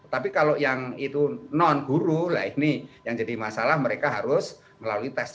tapi kalau yang itu non guru lah ini yang jadi masalah mereka harus melalui tes